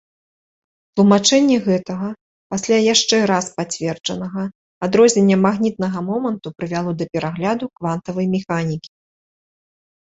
Тлумачэнне гэтага, пасля яшчэ раз пацверджанага, адрознення магнітнага моманту прывяло да перагляду квантавай механікі.